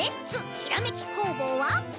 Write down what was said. ひらめき工房」は。